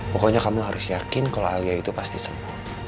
pokoknya kamu harus yakin kalau alia itu pasti sembuh